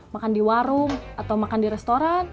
makan di warung atau makan di restoran